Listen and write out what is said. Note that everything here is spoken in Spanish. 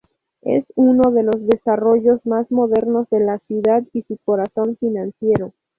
Es uno de los desarrollos más modernos de la ciudad y su corazón financiero.